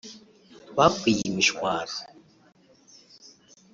bakwiye imishwaro